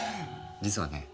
実はね